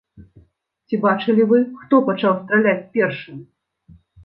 Ці бачылі вы, хто пачаў страляць першым?